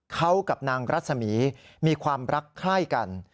เขากับนางรัศมีร์มีความรักใคร่กัน